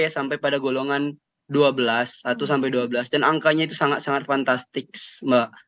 sampai pada golongan dua belas satu sampai dua belas dan angkanya itu sangat sangat fantastik mbak